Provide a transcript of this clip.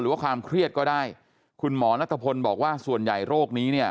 ว่าความเครียดก็ได้คุณหมอนัทพลบอกว่าส่วนใหญ่โรคนี้เนี่ย